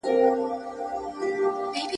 ډوډۍ که پردۍ وه ګیډه خو دي خپله وه !.